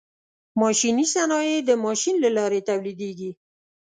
ماشیني صنایع د ماشین له لارې تولیدیږي.